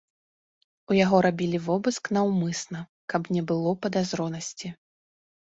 У яго рабілі вобыск наўмысна, каб не было падазронасці.